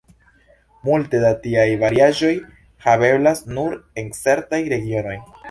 Multe da tiaj variaĵoj haveblas nur en certaj regionoj.